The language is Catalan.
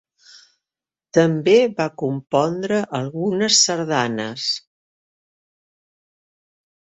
També va compondre algunes sardanes.